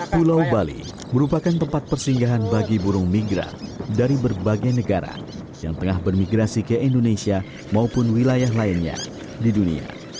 pulau bali merupakan tempat persinggahan bagi burung migran dari berbagai negara yang tengah bermigrasi ke indonesia maupun wilayah lainnya di dunia